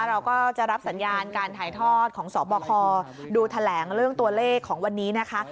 เราก็จะรับสัญญาณการถ่ายทอดของสบคดูแถลงเรื่องตัวเลขของวันนี้นะคะ